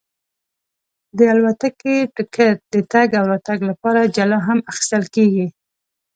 د الوتکې ټکټ د تګ او راتګ لپاره جلا هم اخیستل کېږي.